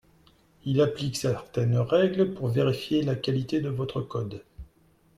Il applique certaines règles pour vérifier la qualité de votre code